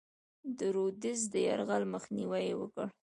د رودز د یرغل مخنیوی یې وکړ.